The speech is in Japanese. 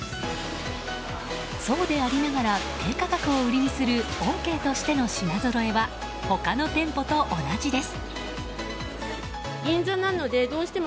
そうでありながら低価格を売りにするオーケーとしての品ぞろえは他の店舗と同じです。